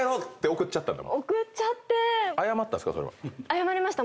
謝りました